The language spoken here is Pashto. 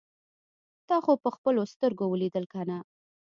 تا خو په خپلو سترګو اوليدل کنه.